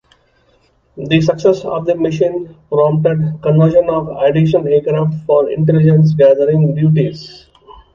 The success of the mission prompted conversion of additional aircraft for intelligence gathering duties.